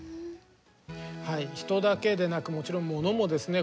人だけでなくもちろん物もですね